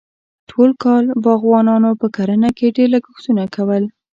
ټول کال باغوانانو په کرنه کې ډېر لګښتونه کول.